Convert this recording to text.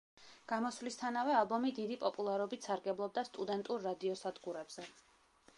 გამოსვლისთანავე ალბომი დიდი პოპულარობით სარგებლობდა სტუდენტურ რადიოსადგურებზე.